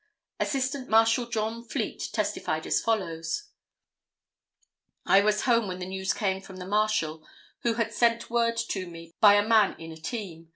Assistant Marshal John Fleet testified as follows: "I was home when the news came from the Marshal, who had sent word to me by a man in a team.